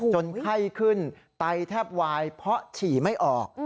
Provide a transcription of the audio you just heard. ไข้ขึ้นไตแทบวายเพราะฉี่ไม่ออก